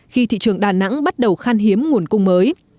khi thị trường đà nẵng bắt đầu khan hiếm nguồn cung mới